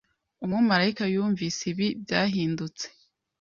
Umumarayika yumvise ibi byahindutse